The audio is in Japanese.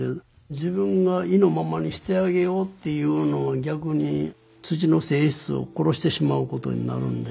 自分が意のままにしてあげようっていうのは逆に土の性質を殺してしまうことになるんで。